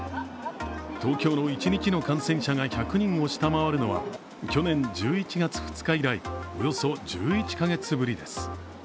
東京の一日の感染者が１００人を下回るのは去年１１月２日以来、およそ１１カ月ぶりです。